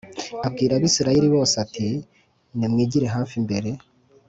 abwira Abisirayeli bose ati Nimwigire hafi imbere